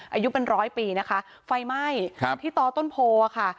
อายุเป็นร้อยปีนะคะไฟไหม้ครับที่ต่อต้นโพค่ะ